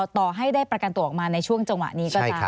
ต่อให้ได้ประกันตัวออกมาในช่วงจังหวะนี้ก็ตาม